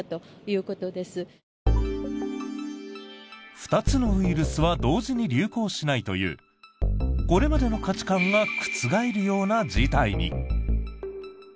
２つのウイルスは同時に流行しないというこれまでの価値観が覆るような事態に。